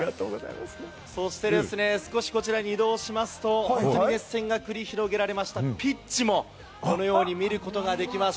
そして、少しこちらに移動しますと、熱戦が繰り広げられましたピッチも、このように見ることができます。